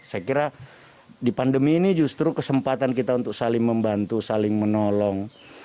saya kira di pandemi ini justru kesempatan kita untuk saling membantu saling menolong